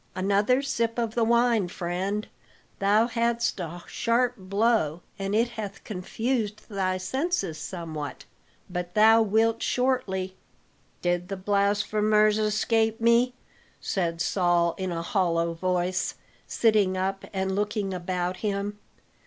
Another sip of the wine, friend; thou hadst a sharp blow, and it hath confused thy senses somewhat; but thou wilt shortly " "Did the blasphemers escape me?" said Saul in a hollow voice, sitting up and looking about him.